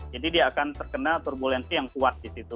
jadi dia akan terkena turbulensi yang kuat di situ